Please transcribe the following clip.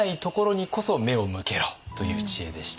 という知恵でした。